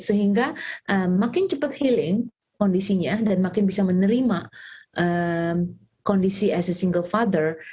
sehingga makin cepat healing kondisinya dan makin bisa menerima kondisi as single father